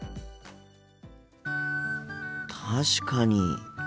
確かに。